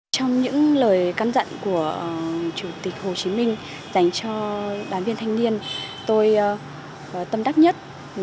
trong những lời cắn dặn của chủ tịch hồ chí minh dành cho đoàn viên thanh niên tôi tâm đắc nhất